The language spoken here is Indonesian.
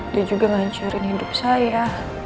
dia juga ngancurin hidup saya